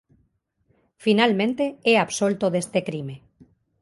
Finalmente é absolto deste crime.